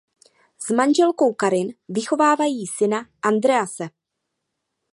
S manželkou Karin vychovávají syna Andrease.